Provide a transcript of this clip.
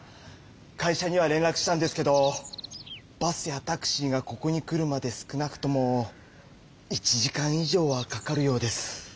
会社には連らくしたんですけどバスやタクシーがここに来るまで少なくとも１時間以上はかかるようです。